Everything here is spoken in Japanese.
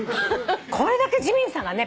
これだけジミンさんがね